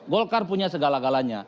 golkar punya segala galanya